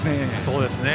そうですね